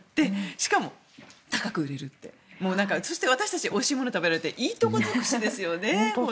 しかも、高く売れるってそして、私たちはおいしいものを食べられていいとこ尽くしですよね。